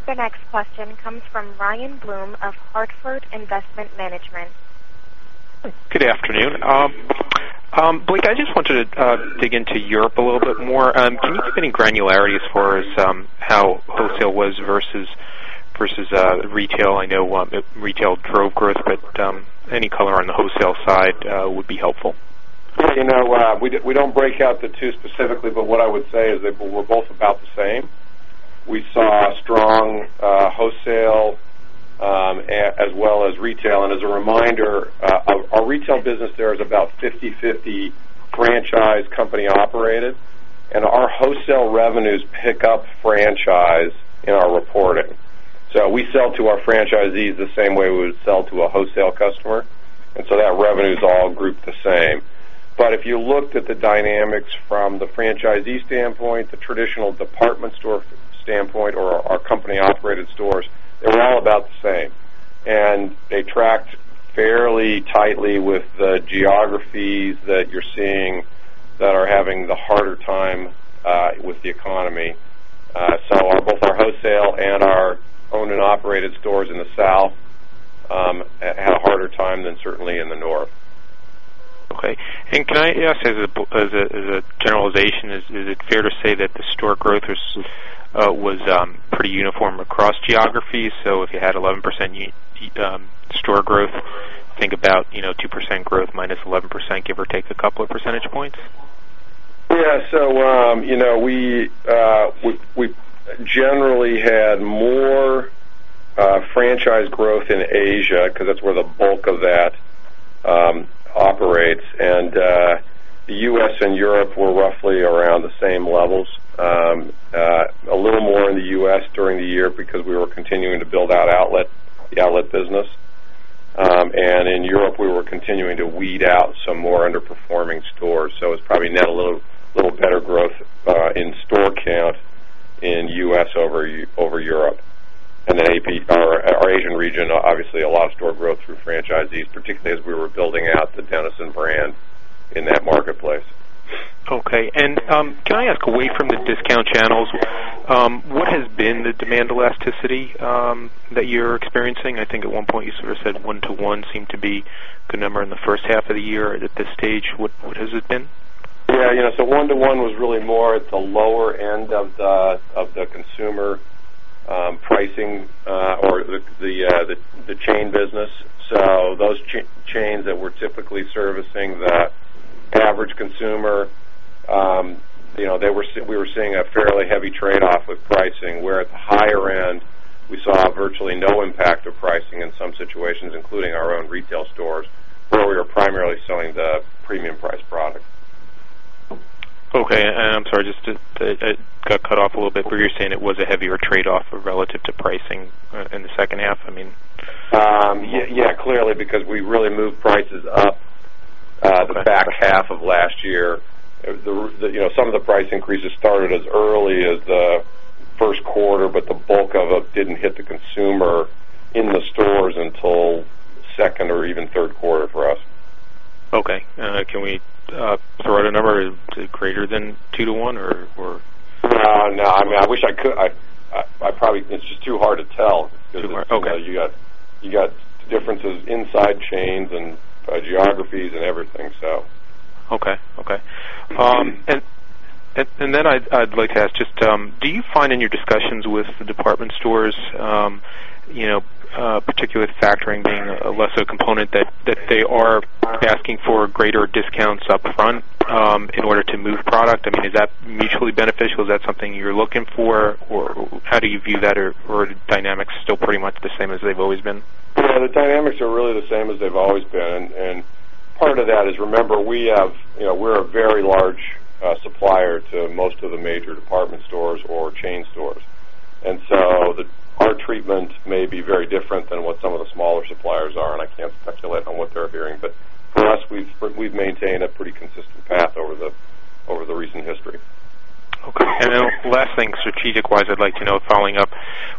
The next question comes from Ryan Bloom of Hartford Investment Management. Good afternoon. Blake, I just wanted to dig into Europe a little bit more. Can you give any granularity as far as how wholesale was versus retail? I know retail drove growth, but any color on the wholesale side would be helpful. Yeah, you know, we don't break out the two specifically, but what I would say is that we're both about the same. We saw strong wholesale, as well as retail. As a reminder, our retail business there is about 50/50 franchise company-operated. Our wholesale revenues pick up franchise in our reporting. We sell to our franchisees the same way we would sell to a wholesale customer, so that revenue is all grouped the same. If you looked at the dynamics from the franchisee standpoint, the traditional department store standpoint, or our company-operated stores, they were all about the same. They tracked fairly tightly with the geographies that you're seeing that are having the harder time with the economy. Both our wholesale and our owned and operated stores in the South had a harder time than certainly in the North. Okay. Can I ask as a generalization, is it fair to say that the store growth was pretty uniform across geographies? If you had 11% store growth, think about, you know, 2% growth minus 11%, give or take a couple of percentage points? Yeah. We generally had more franchise growth in Asia because that's where the bulk of that operates. The U.S. and Europe were roughly around the same levels, a little more in the U.S. during the year because we were continuing to build out the outlet business. In Europe, we were continuing to weed out some more underperforming stores. It's probably net a little better growth in store count in the U.S. over Europe. Our Asian region, obviously, had a lot of store growth through franchisees, particularly as we were building out the Denizen brand in that marketplace. Okay. Can I ask, away from the discount channels, what has been the demand elasticity that you're experiencing? I think at one point you sort of said one-to-one seemed to be a good number in the first half of the year. At this stage, what has it been? Yeah, you know, one-to-one was really more at the lower end of the consumer pricing, or the chain business. Those chains that were typically servicing the average consumer, we were seeing a fairly heavy trade-off with pricing, where at the higher end, we saw virtually no impact of pricing in some situations, including our own retail stores, where we were primarily selling the premium-priced product. Okay. I'm sorry, I got cut off a little bit, but you're saying it was a heavier trade-off relative to pricing in the second half? Yeah, clearly, because we really moved prices up the back half of last year. Some of the price increases started as early as the first quarter, but the bulk of it didn't hit the consumer in the stores until second or even third quarter for us. Okay. Can we throw out a number? Is it greater than 2:1, or? No, I mean, I wish I could. I probably, it's just too hard to tell because you got differences inside chains and geographies and everything. Okay. I'd like to ask, do you find in your discussions with the department stores, particularly with factoring being a lesser component, that they are asking for greater discounts upfront in order to move product? Is that mutually beneficial? Is that something you're looking for, or how do you view that, or are the dynamics still pretty much the same as they've always been? Yeah, the dynamics are really the same as they've always been. Part of that is, remember, we have, you know, we're a very large supplier to most of the major department stores or chain stores. Our treatment may be very different than what some of the smaller suppliers are, and I can't speculate on what they're hearing. For us, we've maintained a pretty consistent path over the recent history. Okay. Last thing, strategic-wise, I'd like to know, following up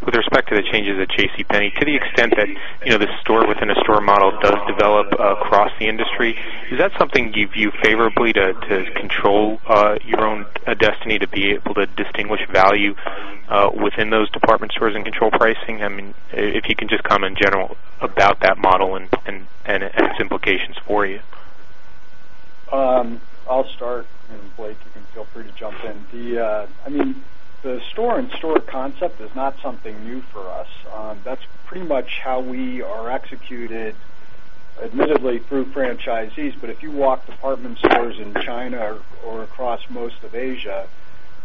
with respect to the changes at JCPenney, to the extent that the store within a store model does develop across the industry, is that something you view favorably to control your own destiny, to be able to distinguish value within those department stores and control pricing? If you can just comment in general about that model and its implications for you. I'll start, and Blake, you can feel free to jump in. The store-in-store concept is not something new for us. That's pretty much how we are executed, admittedly, through franchisees. If you walk department stores in China or across most of Asia,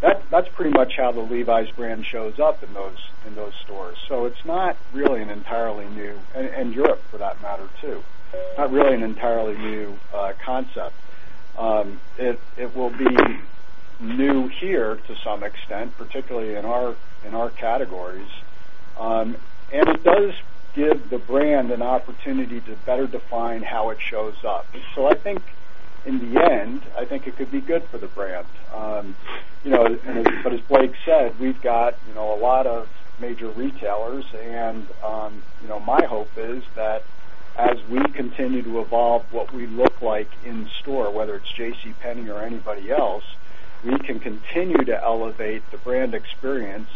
that's pretty much how the Levi's brand shows up in those stores. It's not really an entirely new concept, and Europe, for that matter, too. It will be new here to some extent, particularly in our categories. It does give the brand an opportunity to better define how it shows up. I think in the end, it could be good for the brand. As Blake said, we've got a lot of major retailers. My hope is that as we continue to evolve what we look like in store, whether it's JCPenney or anybody else, we can continue to elevate the brand experience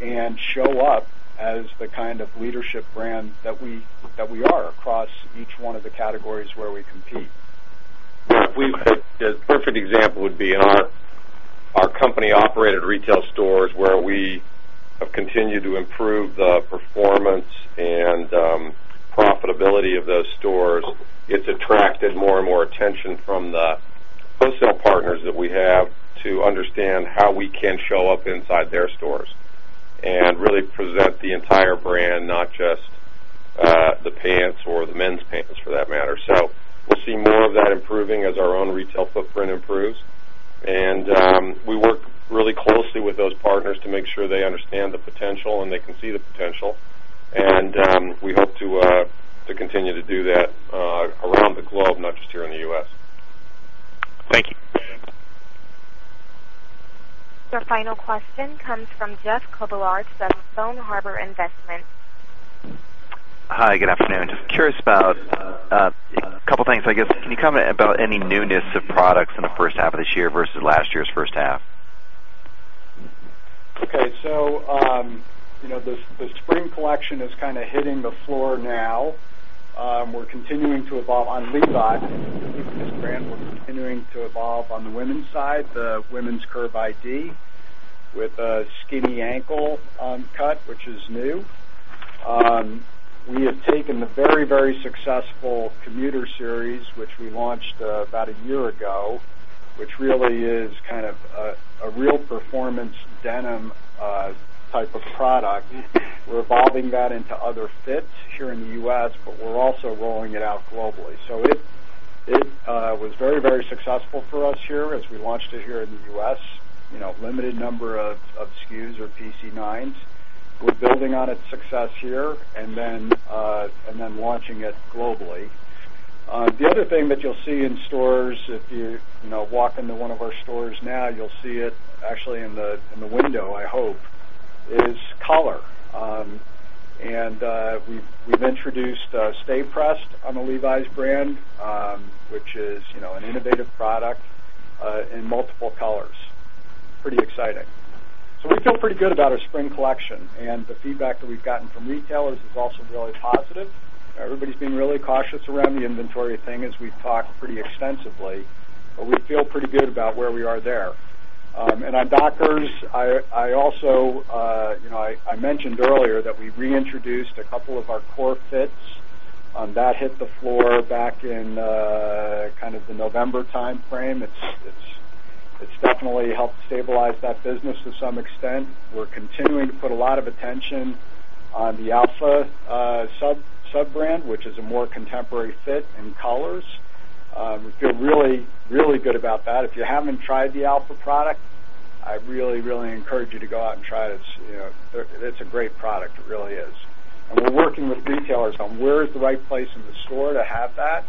and show up as the kind of leadership brand that we are across each one of the categories where we compete. Yeah, a perfect example would be in our company-operated retail stores where we have continued to improve the performance and profitability of those stores. It's attracted more and more attention from the wholesale partners that we have to understand how we can show up inside their stores and really present the entire brand, not just the pants or the men's pants for that matter. We'll see more of that improving as our own retail footprint improves. We work really closely with those partners to make sure they understand the potential and they can see the potential. We hope to continue to do that around the globe, not just here in the U.S. Thank you. The final question comes from [Jeff] from Stone Harbor Investment. Hi. Good afternoon. Just curious about a couple of things. Can you comment about any newness of products in the first half of this year versus last year's first half? Okay. The Supreme collection is kind of hitting the floor now. We're continuing to evolve on Levi's. This brand was continuing to evolve on the women's side, the women's Curve ID with a skinny ankle cut, which is new. We have taken the very, very successful Commuter Series, which we launched about a year ago, which really is kind of a real performance denim type of product. We're evolving that into other fits here in the U.S., but we're also rolling it out globally. It was very, very successful for us here as we launched it here in the U.S. A limited number of SKUs or PC9s. We're building on its success here and then launching it globally. The other thing that you'll see in stores, if you walk into one of our stores now, you'll see it actually in the window, I hope, is color. We've introduced Stay Pressed on the Levi's brand, which is an innovative product, in multiple colors. Pretty exciting. We feel pretty good about our spring collection. The feedback that we've gotten from retailers is also really positive. Everybody's being really cautious around the inventory thing as we've talked pretty extensively. We feel pretty good about where we are there. On Dockers, I also mentioned earlier that we reintroduced a couple of our core fits. That hit the floor back in the November timeframe. It's definitely helped stabilize that business to some extent. We're continuing to put a lot of attention on the Alpha sub-brand, which is a more contemporary fit in colors. We feel really, really good about that. If you haven't tried the Alpha product, I really, really encourage you to go out and try this. It's a great product. It really is. We're working with retailers on where is the right place in the store to have that.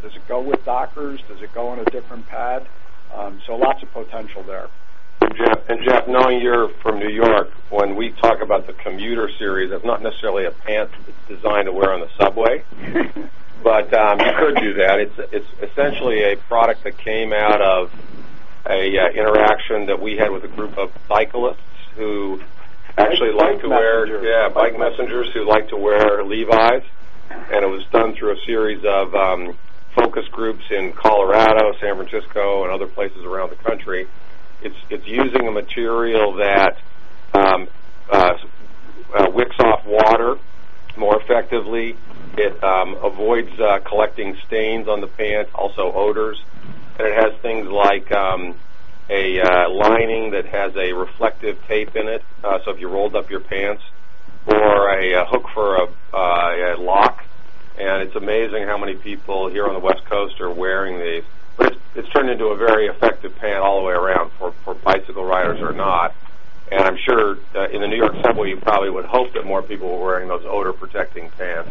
Does it go with Dockers? Does it go on a different pad? Lots of potential there. [Jeff] knowing you're from New York, when we talk about the Commuter Series, it's not necessarily a pants design to wear on the subway, but you could do that. It's essentially a product that came out of an interaction that we had with a group of bicyclists who actually like to wear. Bike messengers. Yeah, bike messengers who like to wear Levi's. It was done through a series of focus groups in Colorado, San Francisco, and other places around the country. It's using a material that wicks off water more effectively. It avoids collecting stains on the pants, also odors. It has things like a lining that has a reflective tape in it, so if you rolled up your pants or a hook for a lock. It's amazing how many people here on the West Coast are wearing these. It's turned into a very effective pant all the way around for bicycle riders or not. I'm sure, in the New York subway, you probably would hope that more people were wearing those odor-protecting pants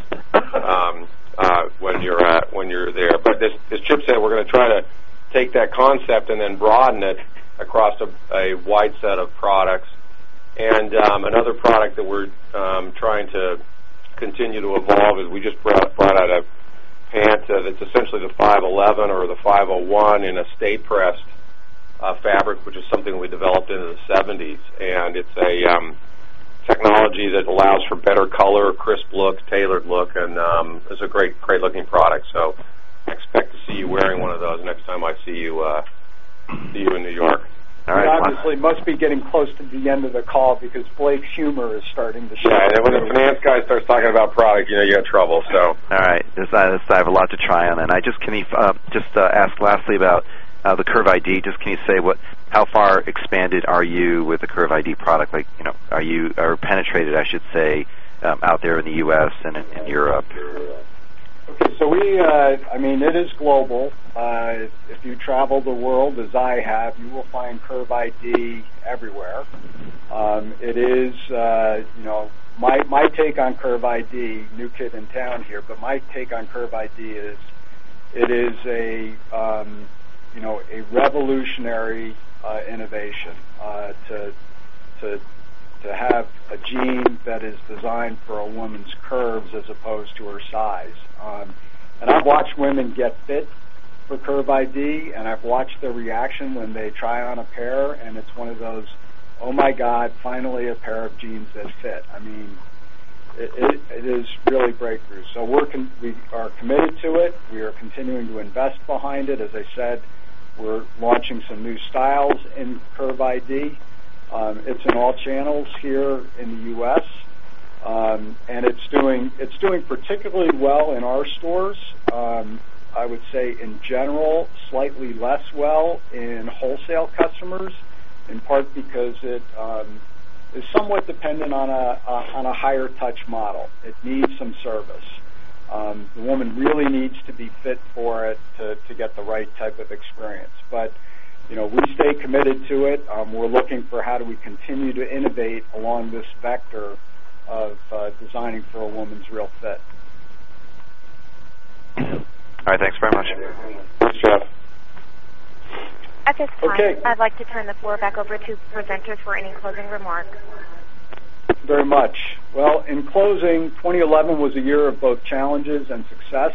when you're there. As Chip said, we're going to try to take that concept and then broaden it across a wide set of products. Another product that we're trying to continue to evolve is we just brought out a pant that's essentially the 511 slim fit or the Levi's 501 in a stay pressed fabric, which is something that we developed in the 1970s. It's a technology that allows for better color, crisp look, tailored look, and is a great, great looking product. I expect to see you wearing one of those next time I see you in New York. I honestly must be getting close to the end of the call because Blake's humor is starting to show. Yeah, when a nice guy starts talking about product, you know you got trouble. All right. I have a lot to try on. I just want to ask lastly about the Curve ID. Can you say how far expanded are you with the Curve ID product? Are you penetrated, I should say, out there in the U.S. and in Europe? Okay. It is global. If you travel the world as I have, you will find Curve ID everywhere. My take on Curve ID, new kid in town here, but my take on Curve ID is it is a revolutionary innovation to have a jean that is designed for a woman's curves as opposed to her size. I've watched women get fit for Curve ID, and I've watched the reaction when they try on a pair, and it's one of those, "Oh my God, finally a pair of jeans that fit." It is really breakthrough. We are committed to it. We are continuing to invest behind it. As I said, we're launching some new styles in Curve ID. It's in all channels here in the U.S., and it's doing particularly well in our stores. I would say in general, slightly less well in wholesale customers, in part because it is somewhat dependent on a higher touch model. It needs some service. The woman really needs to be fit for it to get the right type of experience. We stay committed to it. We're looking for how do we continue to innovate along this vector of designing for a woman's real fit. All right. Thanks very much. Next up. At this time, I'd like to turn the floor back over to the presenter for any closing remarks. you very much. In closing, 2011 was a year of both challenges and success,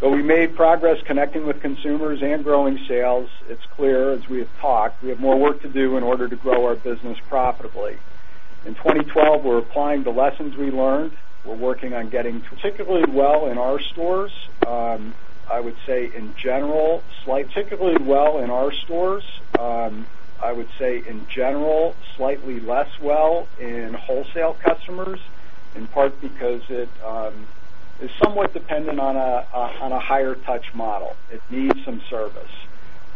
but we made progress connecting with consumers and growing sales. It's clear, as we have talked, we have more work to do in order to grow our business profitably. In 2012, we're applying the lessons we learned. We're working on getting particularly well in our stores. I would say in general, slightly well in our stores. I would say in general, slightly less well in wholesale customers, in part because it is somewhat dependent on a higher touch model. It needs some service.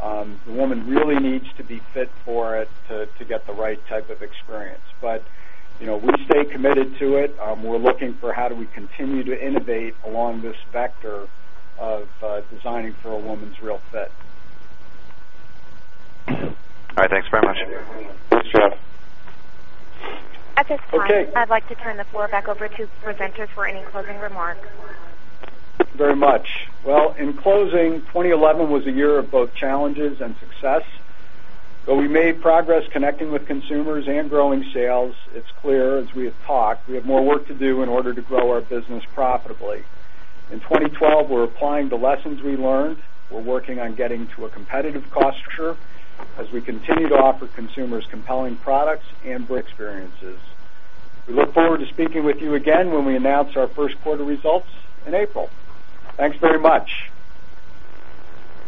The woman really needs to be fit for it to get the right type of experience. You know, we stay committed to it. We're looking for how do we continue to innovate along this vector of designing for a woman's real fit. All right. Thanks very much. Next round. At this time, I'd like to turn the floor back over to the presenter for any closing remarks. you very much. In closing, 2011 was a year of both challenges and success. We made progress connecting with consumers and growing sales. It's clear, as we have talked, we have more work to do in order to grow our business profitably. In 2012, we're applying the lessons we learned. We're working on getting to a competitive posture as we continue to offer consumers compelling products and experiences. We look forward to speaking with you again when we announce our first quarter results in April. Thanks very much.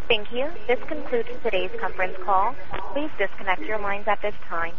Thank you. This concludes today's conference call. Please disconnect your lines at this time.